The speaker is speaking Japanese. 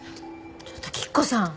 ちょっと吉子さん